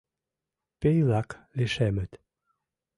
Пий-влак лишемыт!